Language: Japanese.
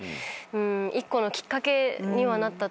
１個のきっかけにはなったと思いますけど。